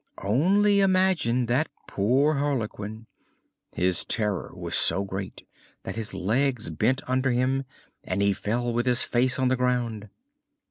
Only imagine that poor Harlequin! His terror was so great that his legs bent under him, and he fell with his face on the ground.